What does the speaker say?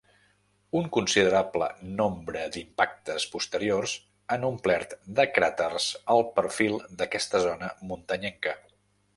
Un considerable nombre d'impactes posteriors han omplert de cràters el perfil d'aquesta zona muntanyenca.